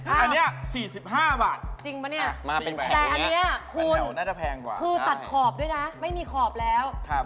อันนี้๔๕บาทจริงปะเนี่ยแต่อันนี้คุณน่าจะแพงกว่าคือตัดขอบด้วยนะไม่มีขอบแล้ว